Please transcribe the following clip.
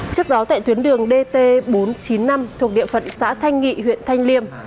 trước đó tại tuyến đường dt bốn trăm chín mươi năm thuộc địa phận xã thanh nghị huyện thanh liêm